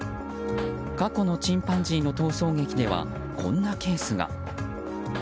過去のチンパンジーの逃走劇ではこんなケースが。